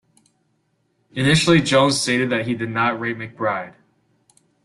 Initially, Jones stated that he did not rape McBride.